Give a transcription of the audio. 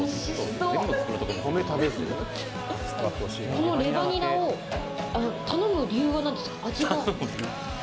このレバニラを頼む理由は何ですか？